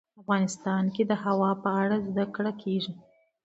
افغانستان کې د هوا په اړه زده کړه کېږي.